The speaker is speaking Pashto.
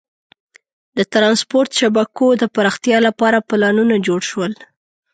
د ترانسپورت شبکو د پراختیا لپاره پلانونه جوړ شول.